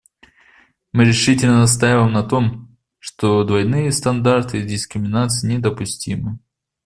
Мы решительно настаиваем на том, что двойные стандарты и дискриминация недопустимы.